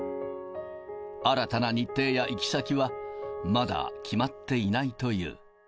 新たな日程や行き先はまだ決まっていないという。